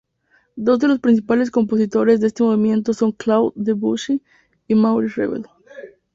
Dos de los principales compositores de este movimiento son Claude Debussy y Maurice Ravel.